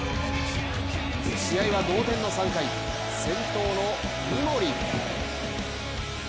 試合は同点の３回、先頭の三森。